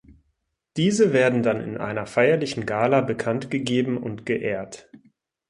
Diese werden dann in einer feierlichen Gala bekanntgegeben und geehrt.